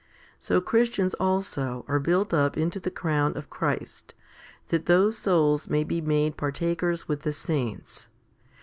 So Christians also are built up into the crown of Christ, that those souls may be made partakers with the saints.